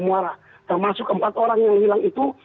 muara termasuk empat orang yang hilang itu